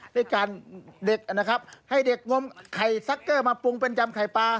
ด้วยการเด็กนะครับให้เด็กงมไข่ซักเกอร์มาปรุงเป็นยำไข่ปลา